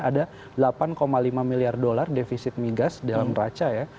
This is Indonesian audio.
ada delapan lima miliar dolar defisit migas dalam raca ya